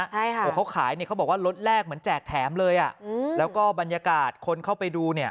ใช่ค่ะโอ้โหเขาขายเนี่ยเขาบอกว่ารถแรกเหมือนแจกแถมเลยอ่ะอืมแล้วก็บรรยากาศคนเข้าไปดูเนี่ย